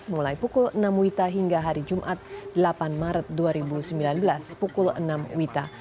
mulai pukul enam wita hingga hari jumat delapan maret dua ribu sembilan belas pukul enam wita